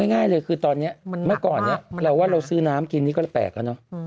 เอาง่ายเลยคือตอนนี้มาก่อนเราว่าเราซื้อน้ำกินนี่ก็แปลกนะ